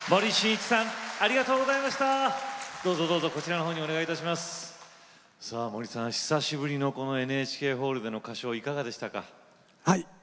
森さん、久しぶりのＮＨＫホールでの歌唱はいかがでしたか？